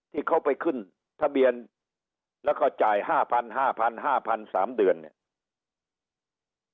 ที่เขาไปขึ้นทะเบียนแล้วก็จ่ายห้าพันห้าพันห้าพันสามเดือนเนี่ย